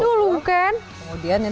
potong ini dulu ken